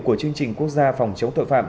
của chương trình quốc gia phòng chống tội phạm